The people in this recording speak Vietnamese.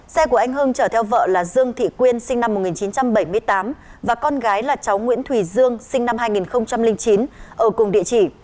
xe của anh hưng chở theo vợ là dương thị quyên sinh năm một nghìn chín trăm bảy mươi tám và con gái là cháu nguyễn thùy dương sinh năm hai nghìn chín ở cùng địa chỉ